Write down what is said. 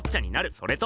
それと。